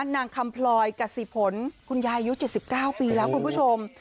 นางคำพลอยกษิผลคุณยายอายุ๗๙ปีแล้วคุณผู้ชม